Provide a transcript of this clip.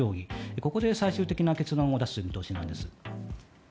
ここで最終的な結論を出す見通しなんです。